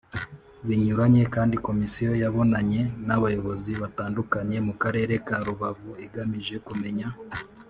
binyuranye kandi Komisiyo yabonanye n abayobozi batandukanye mu Karere ka Rubavu igamije kumenya